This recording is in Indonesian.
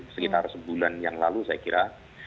sekitar sebulan yang lalu saya kira